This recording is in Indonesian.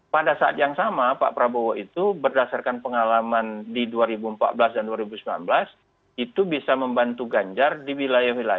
pada saat yang sama pak prabowo itu berdasarkan pengalaman di dua ribu empat belas dan dua ribu sembilan belas itu bisa membantu ganjar di wilayah wilayah